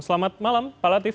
selamat malam pak latif